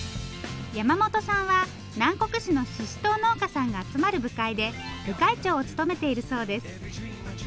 山本さんは南国市のししとう農家さんが集まる部会で部会長を務めているそうです。